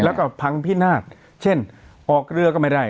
แล้วก็พังพินาศเช่นออกเรือก็ไม่ได้